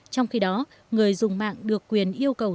trong khi đó người dùng mạng được quyền yêu cầu